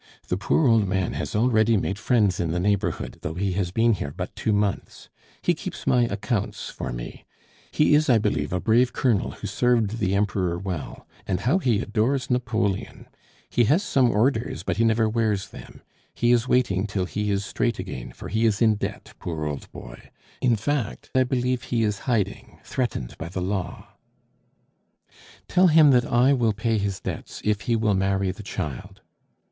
The poor old man has already made friends in the neighborhood, though he has been here but two months. He keeps my accounts for me. He is, I believe, a brave Colonel who served the Emperor well. And how he adores Napoleon! He has some orders, but he never wears them. He is waiting till he is straight again, for he is in debt, poor old boy! In fact, I believe he is hiding, threatened by the law " "Tell him that I will pay his debts if he will marry the child."